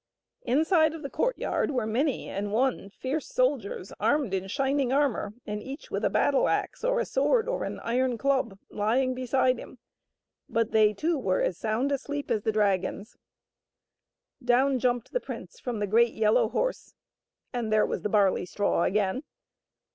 Inside of the court yard were many and one fierce soldiers armed in shining armor and each with a battle axe or a sword or an iron club lying beside him ; but they too were as sound asleep as the dragon. Down jumped the prince from the great yellow horse, and there was the barley straw again.